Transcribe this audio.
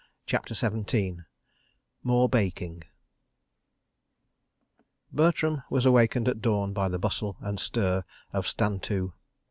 CHAPTER XVII More Baking Bertram was awakened at dawn by the bustle and stir of Stand to.